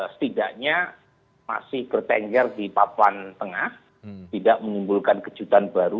setidaknya masih bertengger di papan tengah tidak menimbulkan kejutan baru